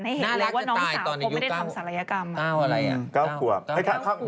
ให้เห็นเลยว่าน้องสาวเขาไม่ได้ทำศัลยกรรม